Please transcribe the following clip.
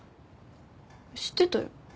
知ってたよ。